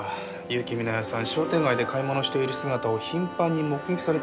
結城美奈世さん商店街で買い物している姿を頻繁に目撃されてます。